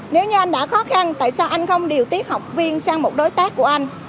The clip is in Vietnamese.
nếu như anh đã khó khăn tại sao anh không điều tiết học viên sang một đối tác của anh